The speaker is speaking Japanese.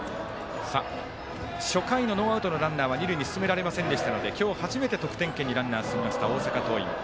初回のノーアウトのランナーは二塁に進められませんでしたので今日、初めて得点圏にランナー進みました、大阪桐蔭。